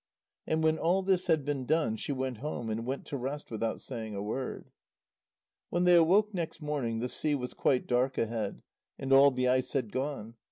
And when all this had been done, she went home, and went to rest without saying a word. When they awoke next morning, the sea was quite dark ahead, and all the ice had gone.